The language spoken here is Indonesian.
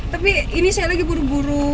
tapi ini saya lagi buru buru